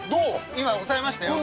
今押さえましたよ。